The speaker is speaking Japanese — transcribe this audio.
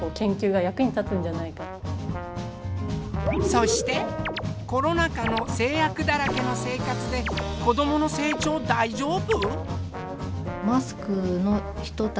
そしてコロナ禍の制約だらけの生活で子どもの成長大丈夫？